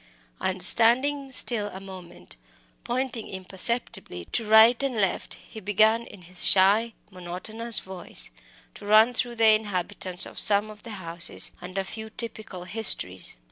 And standing still a moment, pointing imperceptibly to right and left, he began in his shy, monotonous voice to run through the inhabitants of some of the houses and a few typical histories.